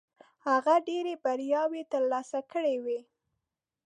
هغه ډېرې بریاوې ترلاسه کړې وې.